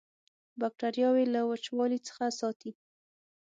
باکتریاوې له وچوالي څخه ساتي.